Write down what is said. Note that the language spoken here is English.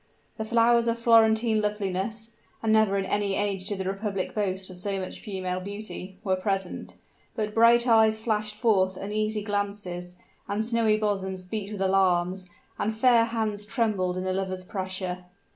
The flowers of Florentine loveliness and never in any age did the republic boast of so much female beauty were present: but bright eyes flashed forth uneasy glances, and snowy bosoms beat with alarms, and fair hands trembled in the lover's pressure.